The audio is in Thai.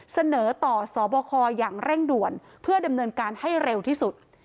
เสนอต่อสบคอย่างเร่งด่วนเพื่อดำเนินการให้เร็วที่สุด